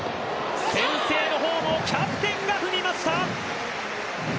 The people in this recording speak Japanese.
先制のホームをキャプテンが踏みました！